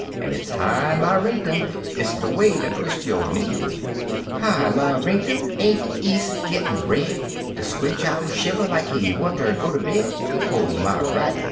En it's hi my rinktum ! Dis de way ter twis' yo' knee I Hi my rinktum! Ain't de eas' gittin' red? De squinch owl shiver like he wanter go ter bed; Ho my Riley